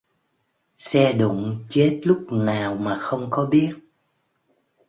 Xe đụng chết lúc nào mà không có biết